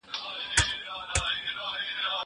زه به اوږده موده مځکي ته کتلې وم!!